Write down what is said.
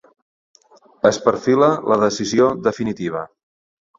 Es perfila la decisió definitiva.